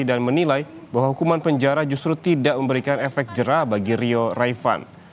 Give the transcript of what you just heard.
dan menilai bahwa hukuman penjara justru tidak memberikan efek jerah bagi rio raifan